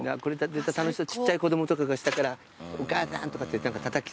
絶対楽しそうちっちゃい子供とかが下から「お母さん！」とかってたたきそうです下から。